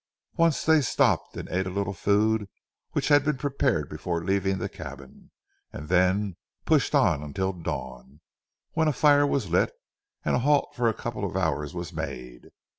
Once they stopped, and ate a little food which had been prepared before leaving the cabin, and then pushed on until dawn, when a fire was lit, and a halt for a couple of hours was made.